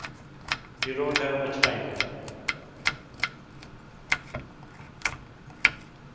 You don't have much time.